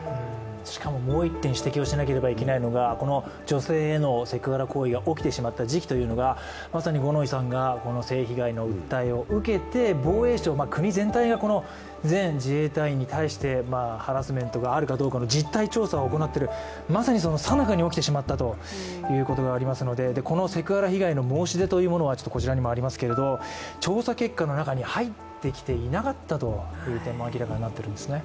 しかももう一点指摘をしなければいけないのが女性へのセクハラ行為が起きてしまった時期というのが、まさに五ノ井さんが性被害を訴えて防衛省、国全体が全自衛隊員に対してハラスメントがあるかどうかの実態調査を行っている、まさにそのさなかに起きてしまったということがありますのでこのセクハラ被害の申し出というのは調査結果の中に入ってきていなかったという点も明らかになっているんですね。